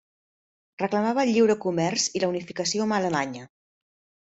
Reclamava el lliure comerç i la unificació amb Alemanya.